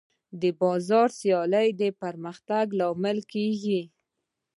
د بازار سیالي د پرمختګ لامل کېږي.